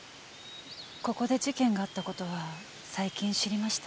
ここで事件があった事は最近知りました。